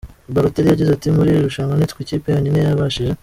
Balotelli yagize ati : “Muri iri rushanwa nitwe kipe yonyine yabashije .